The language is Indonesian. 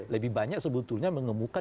lebih banyak sebetulnya mengemukkan